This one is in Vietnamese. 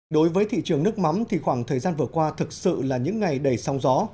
đối với thị trường nước mắm thì khoảng thời gian vừa qua thực sự là những ngày đầy sóng gió